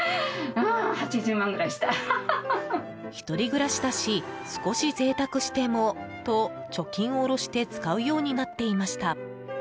１人暮らしだし少し贅沢してもと貯金を下ろして使うようになっていました。